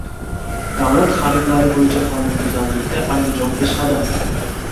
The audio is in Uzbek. Davlat xaridlari bo‘yicha qonunbuzarlikda Andijon "peshqadam"